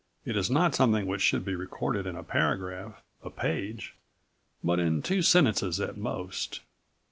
It is not something which should be recorded in a paragraph, a page, but in two sentences at most.